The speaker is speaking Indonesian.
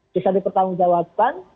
bisa dipertanggung jawabkan